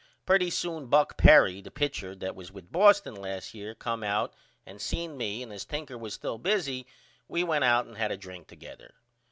Pretty soon Buck Perry the pitcher that was with Boston last year come out and seen me and as Tinker was still busy we went out and had a drink together.